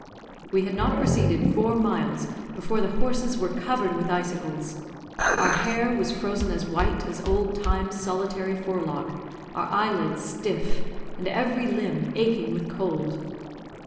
We had not proceeded four miles before the horses were covered with icicles. Our hair was frozen as white as old Time's solitary forelock, our eyelids stiff, and every limb aching with cold.